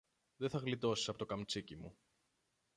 δε θα γλιτώσεις από το καμτσίκι μου.